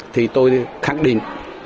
thì tôi khẳng định